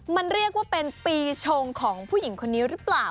มันเรียกว่าเป็นปีชงของผู้หญิงคนนี้หรือเปล่า